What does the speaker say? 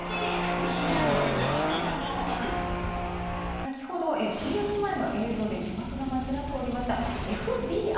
先ほどＣＭ前、映像で字幕が間違っておりました。